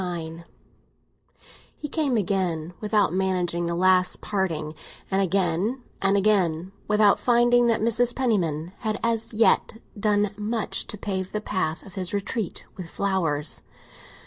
XXIX HE came again, without managing the last parting; and again and again, without finding that Mrs. Penniman had as yet done much to pave the path of retreat with flowers.